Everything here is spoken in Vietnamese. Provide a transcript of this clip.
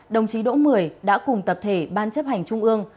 đồng chí đỗ mười đã cùng tập thể ban chấp hành trung ương